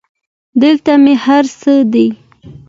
همدا مې هر څه دى.